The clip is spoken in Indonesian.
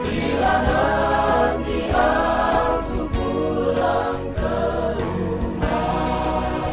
bila nanti aku pulang ke rumah